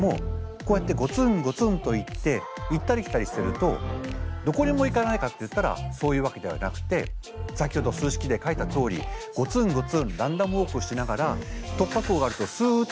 こうやってゴツンゴツンといって行ったり来たりしてるとどこにも行かないかっていったらそういうわけではなくて先ほど数式で書いたとおりゴツンゴツンランダムウォークしながら突破口があるとすっと行く。